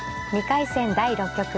２回戦第６局。